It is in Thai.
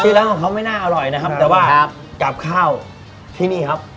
ร้านของเขาไม่น่าอร่อยนะครับแต่ว่ากับข้าวที่นี่ครับ